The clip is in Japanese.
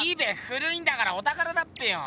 古いんだからおたからだっぺよ！